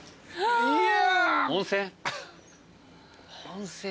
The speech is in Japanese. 温泉？